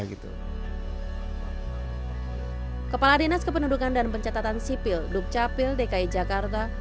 kepala dinas kependudukan dan pencatatan sipil dukcapil dki jakarta